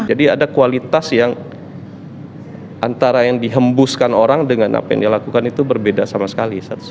ada kualitas yang antara yang dihembuskan orang dengan apa yang dilakukan itu berbeda sama sekali